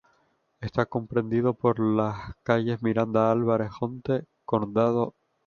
Está comprendido por las calles Miranda, Álvarez Jonte, Condarco, Av.